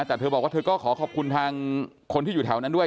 แต่เธอบอกว่าเธอก็ขอขอบคุณทางคนที่อยู่แถวนั้นด้วย